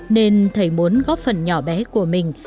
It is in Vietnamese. nên thầy muốn góp phần nhỏ bé của mình